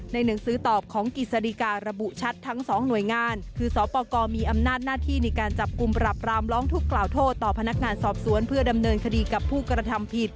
หนังสือตอบของกิจสดีการุชัดทั้งสองหน่วยงานคือสปกรมีอำนาจหน้าที่ในการจับกลุ่มปรับรามร้องทุกข์กล่าวโทษต่อพนักงานสอบสวนเพื่อดำเนินคดีกับผู้กระทำผิด